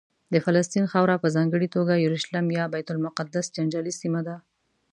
د فلسطین خاوره په ځانګړې توګه یورشلیم یا بیت المقدس جنجالي سیمه ده.